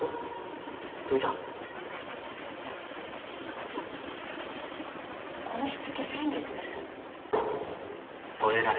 いや万ちゃんこの日付先月です。